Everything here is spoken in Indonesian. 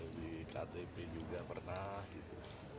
di ktp juga pernah gitu